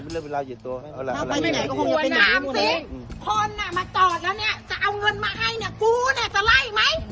พี่กอดด้วยว่ามีก่อนด้วยชายเลยค่ะอยากชาย